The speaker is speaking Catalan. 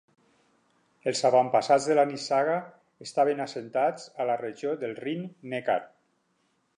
Els avantpassats de la nissaga estaven assentats a la regió del Rin-Neckar.